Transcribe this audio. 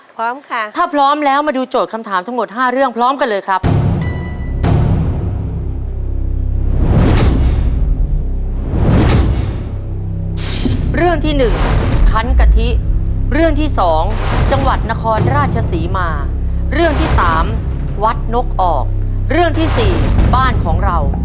พร้อมค่ะถ้าพร้อมแล้วมาดูโจทย์คำถามทั้งหมด๕เรื่องพร้อมกันเลยครับ